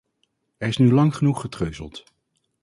Er is nu lang genoeg getreuzeld.